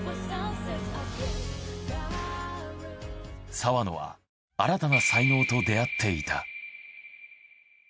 澤野は新たな才能と出会っていた。